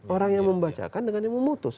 orang yang membacakan dengan yang memutus